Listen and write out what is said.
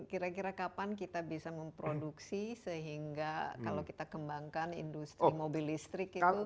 kira kira kapan kita bisa memproduksi sehingga kalau kita kembangkan industri mobil listrik itu